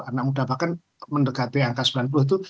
anak muda bahkan mendekati angka sembilan puluh itu